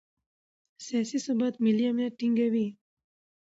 سیاسي ثبات ملي امنیت ټینګوي